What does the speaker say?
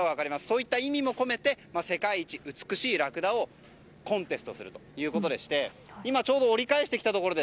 そういった意味も込めて世界一美しいラクダをコンテストするということで今ちょうど折り返してきたところ。